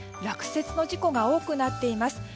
落雪事故が多くなっています。